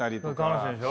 楽しいでしょ？